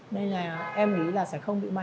nên là em nghĩ là sẽ không có cái gì